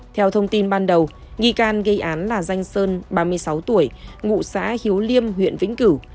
theo thông tin ban đầu nghi can gây án là danh sơn ba mươi sáu tuổi ngụ xã hiếu liêm huyện vĩnh cửu